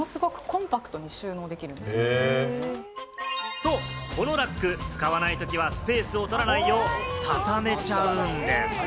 そう、このラック、使わないときはスペースをとらないよう、たためちゃうんです。